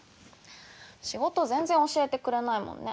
仕事全然教えてくれないもんね。